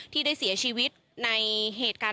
ที่ได้เสียชีวิตในเหตุการณ์